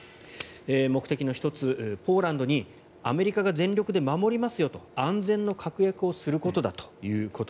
目的の１つ、ポーランドにアメリカが全力で守りますよと安全の確約をすることだと。